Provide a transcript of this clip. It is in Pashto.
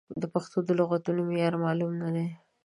د پښتو د لغتونو معیار معلوم نه دی.